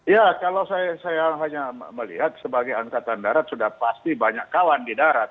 ya kalau saya hanya melihat sebagai angkatan darat sudah pasti banyak kawan di darat